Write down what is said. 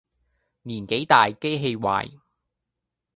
年紀大機器壞